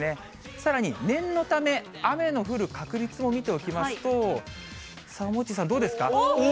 さらに念のため、雨の降る確率も見ておきますと、さあ、モッチーさん、どうですか。